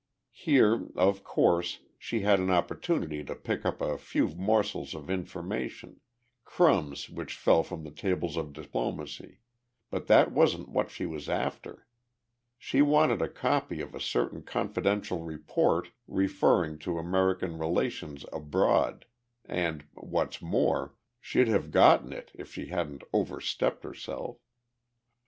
Here, of course, she had an opportunity to pick up a few morsels of information crumbs which fell from the tables of diplomacy but that wasn't what she was after. She wanted a copy of a certain confidential report referring to American relations abroad, and, what's more, she'd have gotten it if she hadn't overstepped herself.